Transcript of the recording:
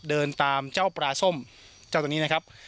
เดินตามเจ้าปลาส้มเจ้าตัวนี้นะครับ